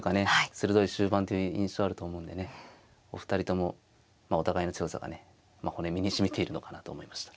鋭い終盤という印象あると思うんでねお二人ともお互いの強さがね骨身にしみているのかなと思いました。